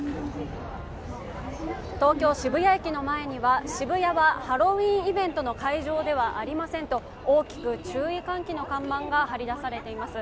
東京・渋谷駅の前には渋谷はハロウィーンイベントの会場ではありませんと、大きく注意喚起の看板が貼りだされています。